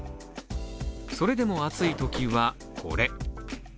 それでも暑いときは、これ。